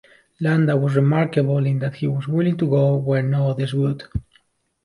Landa was remarkable in that he was willing to go where no others would.